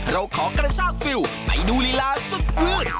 เราขอกระชากฟิลไปดูลีลาสุดพืช